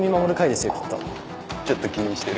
ちょっと気にしてる？